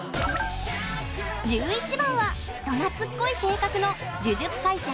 １１番は人懐っこい性格の「呪術廻戦」